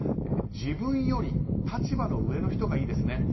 自分より立場の上の人がいいですね。